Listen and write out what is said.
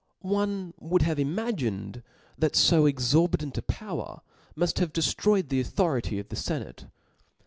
One would have imagined that fo exorbitant a power muft have deftroyed the authority of the fenate.